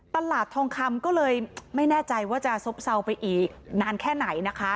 ทองคำก็เลยไม่แน่ใจว่าจะซบเศร้าไปอีกนานแค่ไหนนะคะ